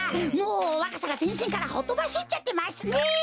もうわかさがぜんしんからほとばしっちゃってますね。